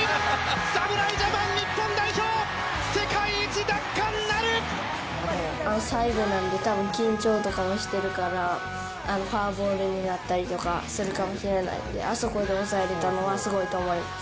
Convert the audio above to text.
侍ジャパン、日本代表、最後なので、たぶん緊張とかもしてるから、フォアボールになったりとかするかもしれないんで、あそこで抑えれたのはすごいと思います。